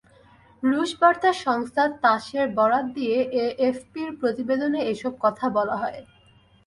রুশ বার্তা সংস্থা তাসের বরাত দিয়ে এএফপির প্রতিবেদনে এসব কথা বলা হয়।